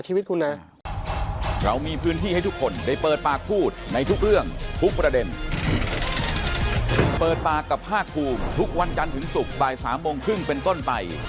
จันทร์ถึงศุกร์บาย๓โมงครึ่งเป็นต้นไป